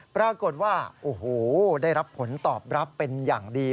ปรากฏว่าโอ้โหได้รับผลตอบรับเป็นอย่างดี